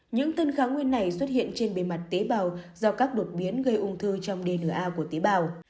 những tân kháng nguyên này xuất hiện trên bề mặt tế bào do các đột biến gây ung thư trong dna của tế bào